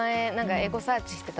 エゴサーチしてたときに。